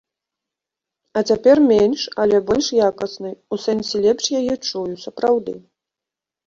А цяпер менш, але больш якаснай, у сэнсе, лепш яе чую, сапраўды.